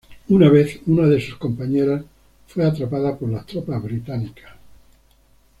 Una vez, una de sus compañeras fue atrapada por las tropas británicas.